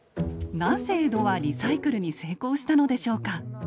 なぜ江戸はリサイクルに成功したのでしょうか？